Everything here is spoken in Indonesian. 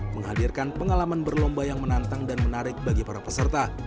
menghadirkan pengalaman berlomba yang menantang dan menarik bagi para peserta